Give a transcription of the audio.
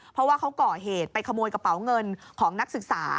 เพราะว่าเขาก่อเหตุไปขโมยกระเป๋าเงินของนักศึกษา